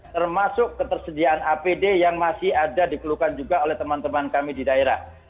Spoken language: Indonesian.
termasuk ketersediaan apd yang masih ada dikeluhkan juga oleh teman teman kami di daerah